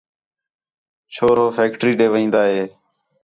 چُھور ہو فیکٹری ݙے وین٘دا ہِے